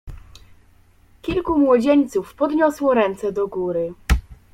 "Kilku młodzieńców podniosło ręce do góry."